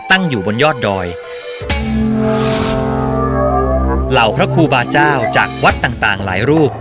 ตั้งอยู่บนยอดดอยเหล่าพระครูบาเจ้าจากวัดต่างต่างหลายรูป